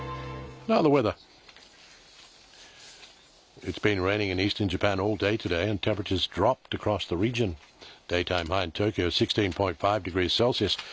そうですね。